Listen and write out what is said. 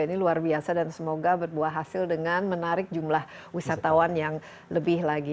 jadi luar biasa dan semoga berbuah hasil dengan menarik jumlah wisatawan yang lebih lagi